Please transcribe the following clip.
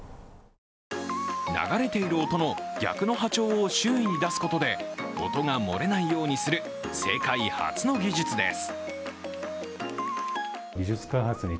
流れている音の逆の波長を周囲に出すことで音が漏れないようにする世界初の技術です。